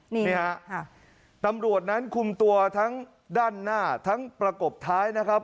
นี่ฮะตำรวจนั้นคุมตัวทั้งด้านหน้าทั้งประกบท้ายนะครับ